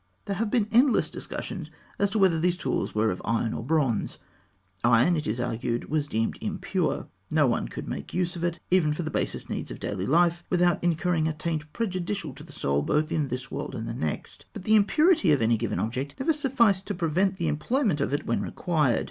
There have been endless discussions as to whether these tools were of iron or of bronze. Iron, it is argued, was deemed impure. No one could make use of it, even for the basest needs of daily life, without incurring a taint prejudicial to the soul both in this world and the next. But the impurity of any given object never sufficed to prevent the employment of it when required.